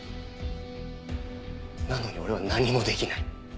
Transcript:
なのに俺は何もできない。